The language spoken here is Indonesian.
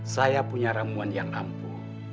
saya punya ramuan yang ampuh